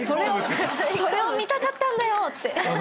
それを見たかったんだよって。